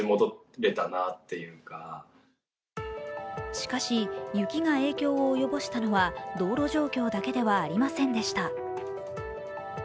しかし雪が影響を及ぼしたのは道路状況だけではありませんでした。